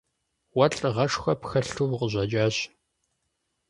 Уэ лӀыгъэшхуэ пхэлъу укъыщӀэкӀащ.